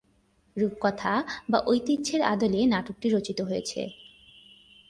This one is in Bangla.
রূপকথা বা ঐতিহ্যের আদলে নাটকটি রচিত হয়েছে।